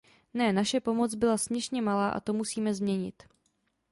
Ne, naše pomoc byla směšně malá a to musíme změnit.